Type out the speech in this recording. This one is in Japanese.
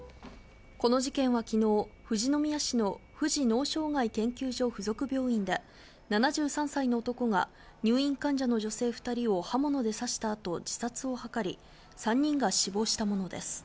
この事件はきのう、富士宮市の富士脳障害研究所附属病院で７３歳の男が入院患者の女性２人を刃物で刺した後、自殺を図り、３人が死亡したものです。